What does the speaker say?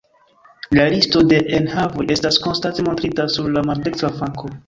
La listo de enhavoj estas konstante montrita sur la maldekstra flanko.